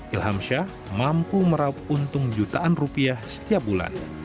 ilham shah mampu merap untung jutaan rupiah setiap bulan